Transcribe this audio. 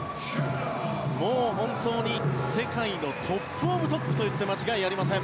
もう本当に、世界のトップ・オブ・トップといって間違いありません。